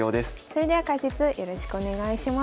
それでは解説よろしくお願いします。